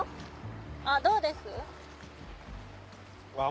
あっどうです？